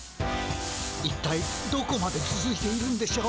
いったいどこまでつづいているんでしょう。